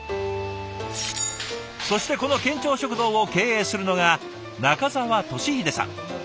そしてこの県庁食堂を経営するのが中澤寿秀さん。